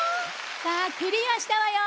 さあクリアしたわよ！